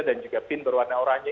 dan juga pin berwarna oranya